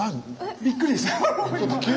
びっくりでした。